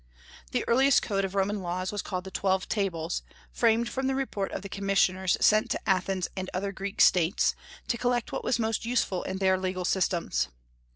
The earliest code of Roman laws was called the Twelve Tables, framed from the report of the commissioners sent to Athens and other Greek States, to collect what was most useful in their legal systems.